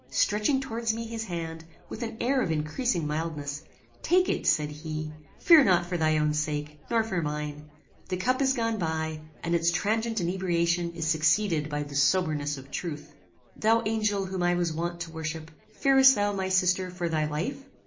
Stretching towards me his hand, with an air of increasing mildness: "Take it," said he: "Fear not for thy own sake, nor for mine. The cup is gone by, and its transient inebriation is succeeded by the soberness of truth. "Thou angel whom I was wont to worship! fearest thou, my sister, for thy life?